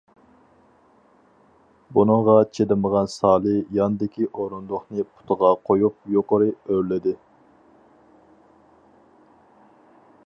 بۇنىڭغا چىدىمىغان سالى ياندىكى ئورۇندۇقىنى پۇتىغا قويۇپ يۇقىرى ئۆرلىدى.